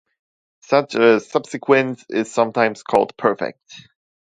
Such a subsequence is sometimes called perfect.